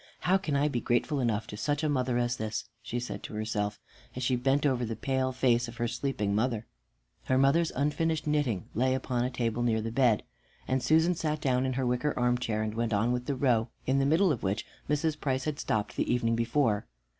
How can I be grateful enough to such a mother as this?" she said to herself, as she bent over the pale face of her sleeping mother. Her mother's unfinished knitting lay upon a table near the bed, and Susan sat down in her wicker armchair, and went on with the row, in the middle of which Mrs. Price had stopped the evening before.